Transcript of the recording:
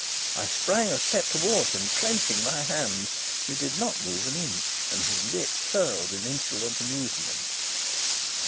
I sprang a step towards him, clenching my hand. He did not move an inch, and his lip curled in insolent amusement.